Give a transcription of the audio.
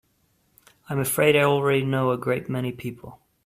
I'm afraid I already know a great many people.